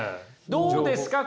どうですか？